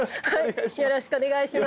よろしくお願いします。